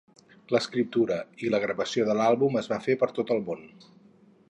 L'escriptura i la gravació de l'àlbum es va fer per tot el món.